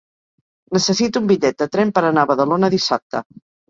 Necessito un bitllet de tren per anar a Badalona dissabte.